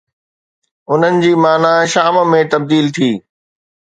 انهن جي معني شام ۾ تبديل ٿي.